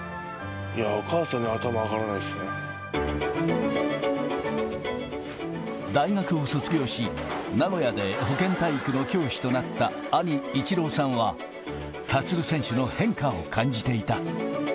お母さんには頭上がらないで大学を卒業し、名古屋で保健体育の教師となった兄、一郎さんは、立選手の変化を感じていた。